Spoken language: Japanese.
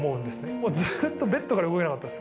もうずっとベッドから動けなかったです。